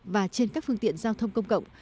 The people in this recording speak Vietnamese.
và trên các phương tiện giao thông công cộng